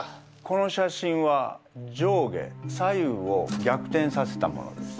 この写真は上下左右を逆転させたものです。